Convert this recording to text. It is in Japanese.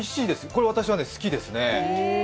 これ、私は好きですね。